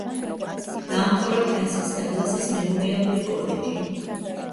დაამთავრა ფრენსის დაგლასის მემორიალური კოლეჯი.